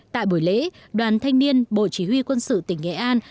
tại buổi lễ đoàn thanh niên bộ chỉ huy quân sự tỉnh nghệ an